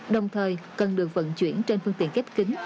đồng thời cần được vận chuyển trên phương tiện kết kính